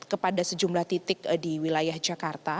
kepada sejumlah titik di wilayah jakarta